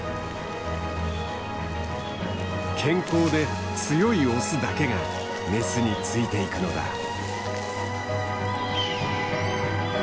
健康で強いオスだけがメスについていくのだ。